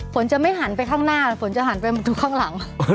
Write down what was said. ฝนจะไม่หันไปข้างหน้าฝนจะหันไปมองดูข้างหลัง